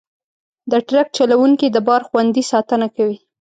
د ټرک چلوونکي د بار خوندي ساتنه کوي.